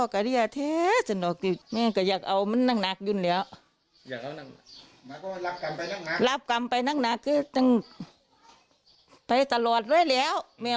ก็ลำบากไหม